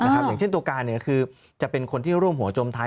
อย่างเช่นตัวการคือจะเป็นคนที่ร่วมหัวจมไทย